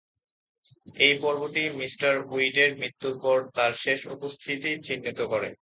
এই পর্বটি মি. উইডের মৃত্যুর পর তার শেষ উপস্থিতি চিহ্নিত করে।